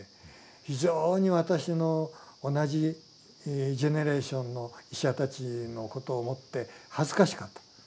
非常に私の同じジェネレーションの医者たちのことを思って恥ずかしかった。